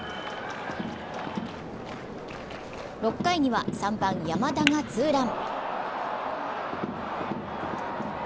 ６回には３番・山田がツーラン。